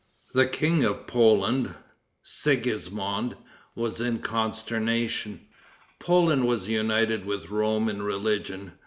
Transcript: The King of Poland, Sigismond, was in consternation. Poland was united with Rome in religion.